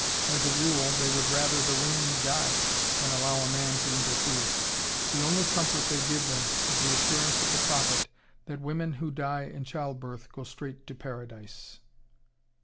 As a rule they would rather the women died than allow a man to interfere; the only comfort they give them is the assurance of the Prophet that women who die in childbirth go straight to Paradise.